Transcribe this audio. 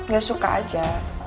gak suka aja